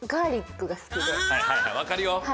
分かるよ。